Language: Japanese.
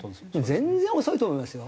全然遅いと思いますよ。